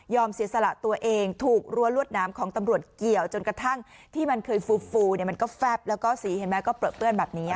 เสียสละตัวเองถูกรั้วลวดน้ำของตำรวจเกี่ยวจนกระทั่งที่มันเคยฟูฟูมันก็แฟบแล้วก็สีเห็นไหมก็เปลือเปื้อนแบบนี้